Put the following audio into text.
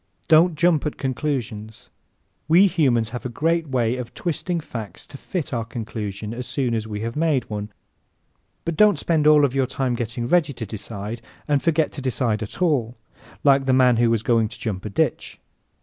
Don't jump at conclusions. We humans have a great way of twisting facts to fit our conclusion as soon as we have made one. But don't spend all your time getting ready to decide and forget to decide at all, like the man who was going to jump a ditch.